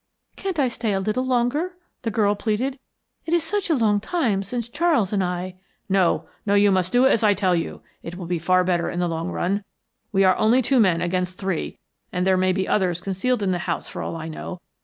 "Can't I stay a little longer?" the girl pleaded. "It is such a long time since Charles and I " "No, no, you must do as I tell you. It will be far better in the long run. We are only two men against three, and there may be others concealed in the house for all I know.